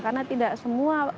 karena tidak semestinya